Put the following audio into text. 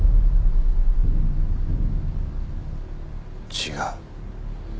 違う。